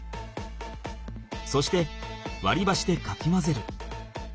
そしてわりばしでかき混ぜる。